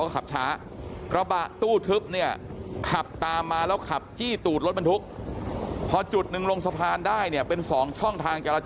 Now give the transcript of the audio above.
ก็เลยขับช้าหน่อย